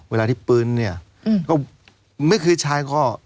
เวลาที่ปืนเนี่ยก็ไม่เคยใช้ก็